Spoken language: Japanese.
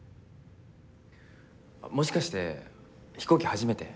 もしかして飛行機初めて？